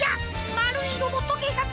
まるいロボットけいさつ